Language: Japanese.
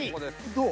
どう？